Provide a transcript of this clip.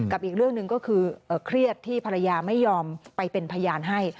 อีกเรื่องหนึ่งก็คือเครียดที่ภรรยาไม่ยอมไปเป็นพยานให้